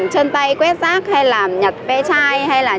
bởi cô bé đi một mình